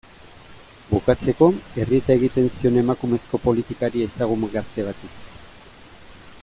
Bukatzeko, errieta egiten zion emakumezko politikari ezagun gazte bati.